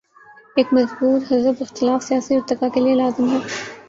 ایک مضبوط حزب اختلاف سیاسی ارتقا کے لیے لازم ہے۔